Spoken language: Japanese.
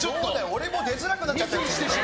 俺も出づらくなっちゃって。